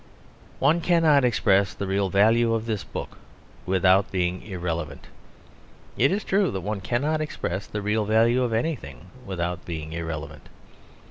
One cannot express the real value of this book without being irrelevant. It is true that one cannot express the real value of anything without being irrelevant.